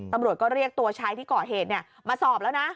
ตำรวจก็เรียกตัวชายที่ก่อเหตุมาสอบแล้วนะ